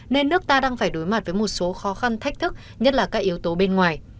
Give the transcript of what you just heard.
nên nước ta đang phải đối mặt với một số khó khăn thách thức nhất là các yếu tố bên ngoài